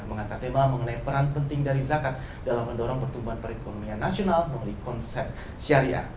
mengangkat tema mengenai peran penting dari zakat dalam mendorong pertumbuhan perekonomian nasional pembeli konsep syariah